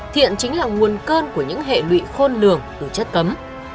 thiện chính là nguồn cơn của những hệ lụy khôn lường từ chất cấm